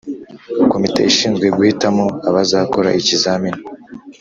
Komite ishinzwe guhitamo abazakora ikizamini